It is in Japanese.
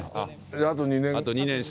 あと２年。